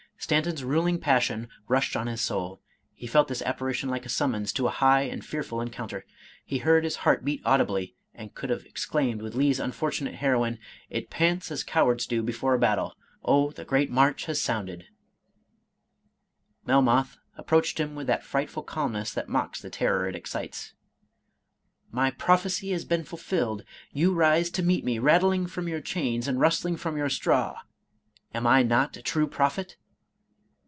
Stanton's ruling passion rushed on his soul ; he felt this apparition like a summons to a high and fearful encounter. He heard his heart beat audibly, and could have exclaimed with Lee's unfortunate heroine, —" It pants as cowards do before a battle ; Oh the great march has sounded I " Melmoth approached him with that frightful calmness that mocks the terror it excites. " My prophecy has been fulfilled; — ^you rise to meet me rattling from your chains, and rustling from your straw — am I not a true prophet?"